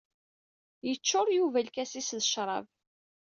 Yeččur Yuba lkas-is s ccrab.